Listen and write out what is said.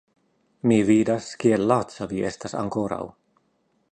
Mi vidas, kiel laca vi estas ankoraŭ.